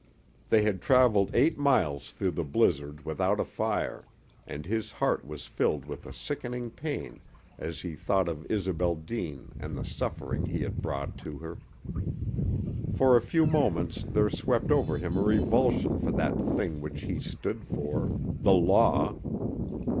They had traveled eight miles through the blizzard without a fire, and his heart was filled with a sickening pain as he thought of Isobel Deane and the suffering he had brought to her. For a few moments there swept over him a revulsion for that thing which he stood for the Law.